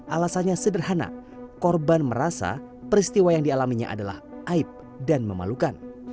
alasannya sederhana korban merasa peristiwa yang dialaminya adalah aib dan memalukan